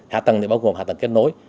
hạ tầng thì bao gồm hạ tầng kết nối